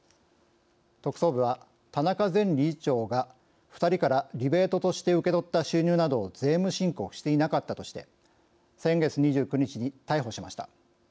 特捜部は田中前理事長が２人からリベートとして受け取った収入などを税務申告していなかったとして先月２９日に逮捕しました。